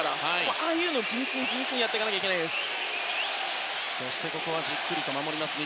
ああいうのを地道にやっていかなきゃいけないです。